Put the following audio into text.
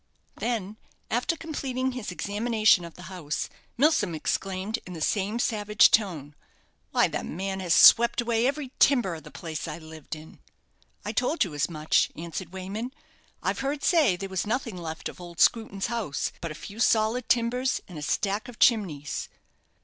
Then, after completing his examination of the house, Milsom exclaimed, in the same savage tone "Why, the man has swept away every timber of the place I lived in." "I told you as much," answered Wayman; "I've heard say there was nothing left of old Screwton's house but a few solid timbers and a stack of chimneys."